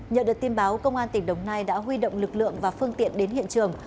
nhờ được tin báo công an tỉnh đồng nai đã huy động lực lượng và phương tiện đến hiện trường